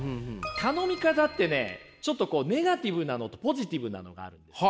頼み方ってねちょっとこうネガティブなのとポジティブなのがあるんです。